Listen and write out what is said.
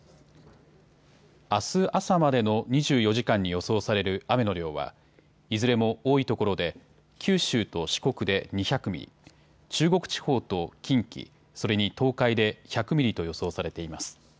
あす朝までの２４時間に予想される雨の量はいずれも多いところで九州と四国で２００ミリ、中国地方と近畿、それに東海で１００ミリと予想されています。